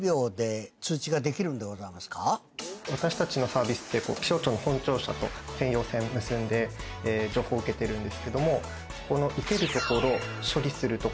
私たちのサービスって気象庁の本庁舎と専用線結んで情報を受けてるんですけどもそこの受ける所処理する所